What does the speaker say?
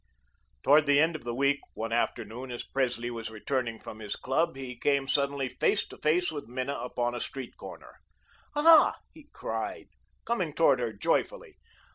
Towards the end of the week, one afternoon, as Presley was returning from his club, he came suddenly face to face with Minna upon a street corner. "Ah," he cried, coming toward her joyfully.